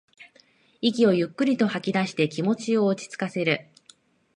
息をゆっくりと吐きだして気持ちを落ちつかせる